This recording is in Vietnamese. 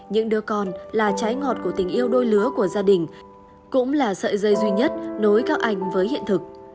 những đứa con là trái ngọt của tình yêu đôi lứa của gia đình cũng là sợi dây duy nhất nối các anh với hiện thực